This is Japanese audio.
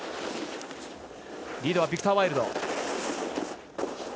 リードはビクター・ワイルド。